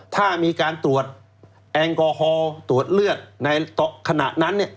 ถ้ามีการตรวจแอลกอฮอล์ตรวจเลือดในขณะนั้น